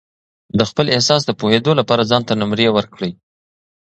د خپل احساس د پوهېدو لپاره ځان ته نمرې ورکړئ.